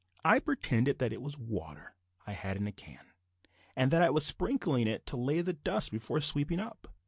I pretended that it was water I had in the can, and that I was sprinkling it to lay the dust before sweeping up.